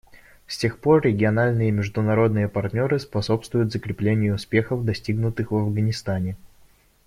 С тех пор региональные и международные партнеры способствуют закреплению успехов, достигнутых в Афганистане.